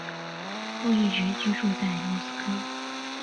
后一直居住在莫斯科。